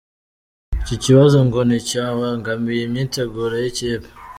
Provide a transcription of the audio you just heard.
Iki kibazo ngo nticyabangamiye imyiteguro y’ikipe.